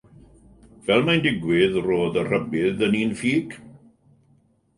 Fel mae'n digwydd, roedd y rhybudd yn un ffug.